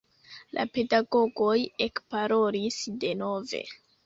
La pedagogoj ekparolis denove.